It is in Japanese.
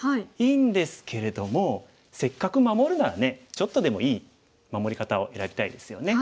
いいんですけれどもせっかく守るならねちょっとでもいい守り方を選びたいですよね。